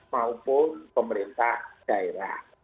maupun pemerintah daerah